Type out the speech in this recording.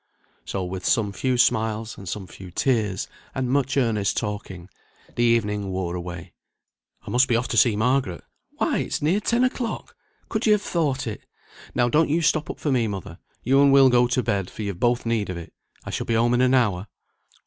So with some few smiles, and some few tears, and much earnest talking, the evening wore away. "I must be off to see Margaret. Why, it's near ten o'clock! Could you have thought it? Now don't you stop up for me, mother. You and Will go to bed, for you've both need of it. I shall be home in an hour."